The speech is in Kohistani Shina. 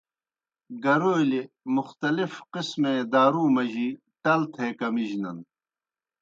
گَرَولیْ مختلف قسمے دارو مجیْ ٹل تھے کمِجنَن۔